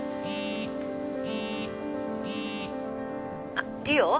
☎あっ梨央？